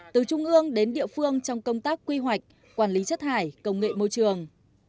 từ trung ương đến địa phương trong công tác quy hoạch quản lý chất thải công nghệ môi trường